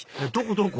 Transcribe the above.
どこ？